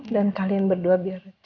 dan kalian berdua biar cepat sehat ya